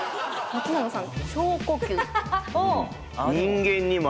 松永さん